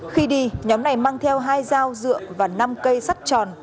khi đi nhóm này mang theo hai dao dựa và năm cây sắt tròn